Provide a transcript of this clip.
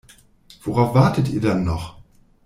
Worauf wartet ihr dann noch?